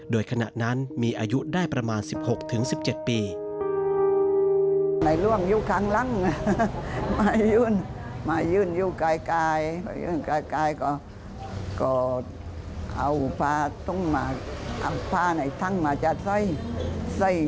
โดยขณะนั้นมีอายุได้ประมาณ๑๖๑๗ปี